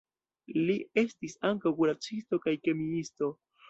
Li estis ankaŭ kuracisto kaj kemiisto.